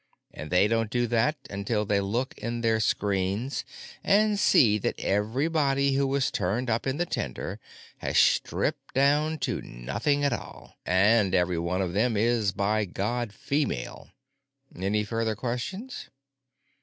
And they don't do that until they look in their screens, and see that everybody who has turned up in the tender has stripped down to nothing at all, and every one of them is by God female. Any further questions?"